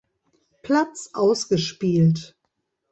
Platz ausgespielt.